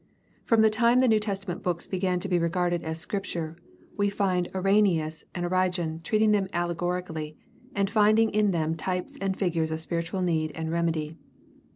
From the time the New Testament books began to be regarded as Scripture we find Irenaeus and Origen treating them allegorically, and finding in them types and figures of spiritual need and remedy.